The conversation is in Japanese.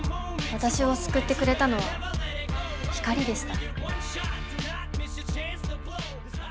私を救ってくれたのは光でした。